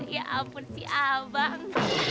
ya ampun sih abang